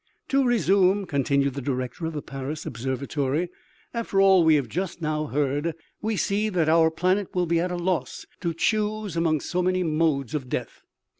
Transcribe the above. " To resume," continued the director of the Paris obser vatory, " after all we have just now heard, we see that our planet will be at a loss to choose among so many modes of death.